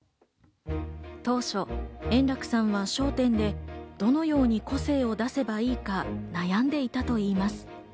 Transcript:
当初、円楽さんは『笑点』でどのように個性を出せばいいか悩んでいたといいます。